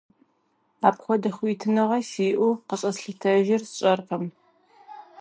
Апхуэдэ хуитыныгъэ сиӀэу къыщӀэслъытэжыр сщӀэркъым.